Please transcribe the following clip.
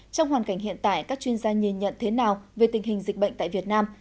trong hoàn cảnh hiện tại các chuyên gia nhìn nhận thế nào về tình hình dịch bệnh tại việt nam